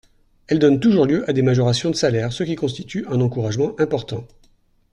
Elles donnent toujours lieu à des majorations de salaire, ce qui constitue un encouragement important.